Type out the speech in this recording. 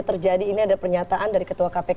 terjadi ini ada pernyataan dari ketua kpk